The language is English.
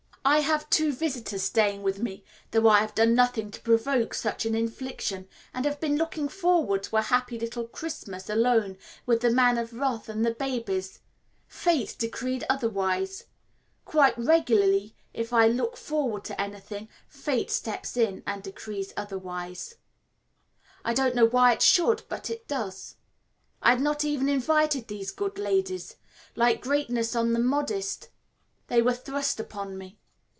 I have two visitors staying with me, though I have done nothing to provoke such an infliction, and had been looking forward to a happy little Christmas alone with the Man of Wrath and the babies. Fate decreed otherwise. Quite regularly, if I look forward to anything, Fate steps in and decrees otherwise; I don't know why it should, but it does. I had not even invited these good ladies like greatness on the modest, they were thrust upon me.